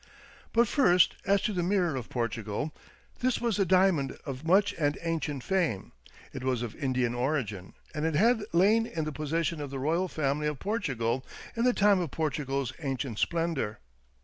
But first, as to the "Mirror of Portugal." This was a diamond of much and ancient fame. It was of Indian origin, and it had lain in the possession of the royal family of Portugal in the time of Portugal's ancient splendour.